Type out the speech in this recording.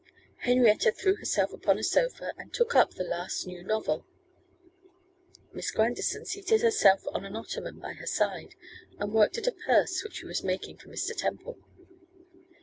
Henrietta threw herself upon a sofa, and took up the last new novel; Miss Grandison seated herself on an ottoman by her side, and worked at a purse which she was making for Mr. Temple.